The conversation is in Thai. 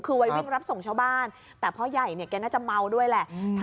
คือไว้วิ่งรับส่งชาวบ้านแต่พ่อใหญ่เนี่ยแกน่าจะเมาด้วยแหละ